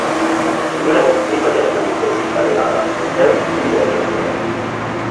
L'uomo prima tenta di intervistare Lana, e poi si rivolge a Chloe.